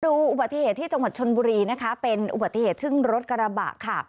อุบัติเหตุที่จังหวัดชนบุรีนะคะเป็นอุบัติเหตุซึ่งรถกระบะค่ะ